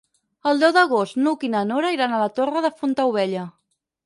El deu d'agost n'Hug i na Nora iran a la Torre de Fontaubella.